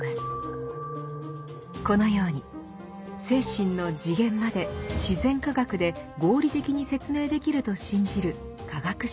このように精神の次元まで自然科学で合理的に説明できると信じる科学主義。